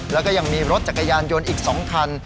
แล้วก็ยังมีรถจักรยานยนต์อีก๒คัน